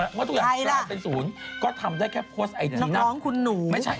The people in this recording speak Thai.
เรื่องนี้นะพี่หนุ่มกับพี่โมดแพ้